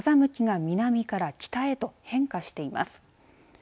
風向きが南から北へと変化しています。